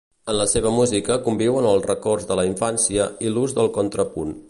En la seva música conviuen els records de la infància i l'ús del contrapunt.